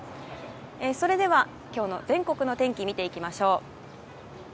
それでは今日の全国の天気を見ていきましょう。